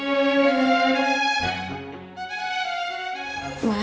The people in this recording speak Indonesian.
aku mau pergi ke rumah